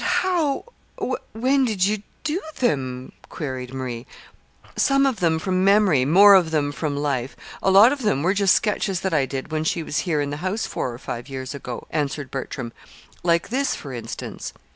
"But how when did you do them?" queried Marie. "Some of them from memory. More of them from life. A lot of them were just sketches that I did when she was here in the house four or five years ago," answered Bertram; "like this, for instance."